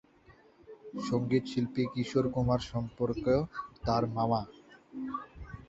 সংগীত শিল্পী কিশোর কুমার সম্পর্কে তার মামা।